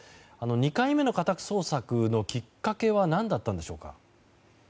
２回目の家宅捜索のきっかけは何だったんでしょうか。